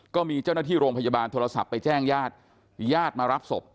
ก็มีเจ้าหน้าที่โรงพยาบาลโทรศัพท์ไปแจ้งญาติญาติมารับศพ